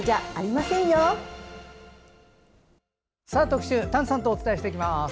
特集丹さんとお伝えします。